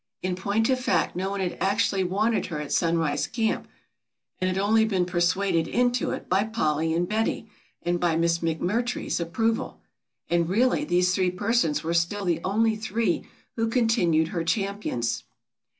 In point of fact no one had actually wanted her at Sunrise Camp and had only been persuaded into it by Polly and Betty and by Miss McMurtry's approval, and really these three persons were still the only three who continued her champions.